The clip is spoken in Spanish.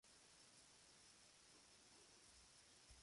Les quito sus pistolas y los arrestó por tenencia de armas en vía pública.